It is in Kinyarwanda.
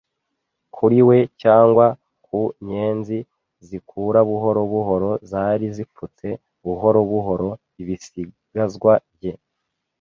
kuri we cyangwa ku nyenzi zikura buhoro buhoro zari zipfutse buhoro buhoro ibisigazwa bye